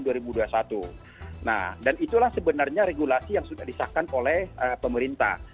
nah dan itulah sebenarnya regulasi yang sudah disahkan oleh pemerintah